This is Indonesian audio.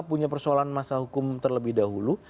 punya persoalan masa hukum terlebih dahulu